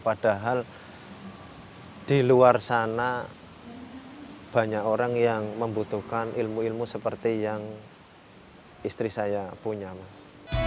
padahal di luar sana banyak orang yang membutuhkan ilmu ilmu seperti yang istri saya punya mas